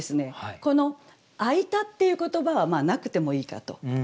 この「開いた」っていう言葉はまあなくてもいいかと。